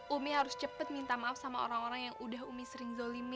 umi harus cepat minta maaf sama orang orang yang udah umi sering zolimi